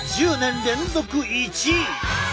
１０年連続１位！